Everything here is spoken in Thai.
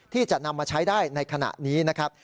ที่จะนำมาใช้ได้ในขณะนี้นะครับ